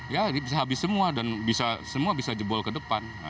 ya bisa habis semua dan bisa semua bisa jebol ke depan